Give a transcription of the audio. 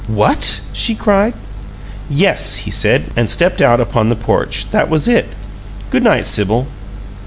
"What?" she cried. "Yes," he said, and stepped out upon the porch, "that was it. Good night, Sibyl."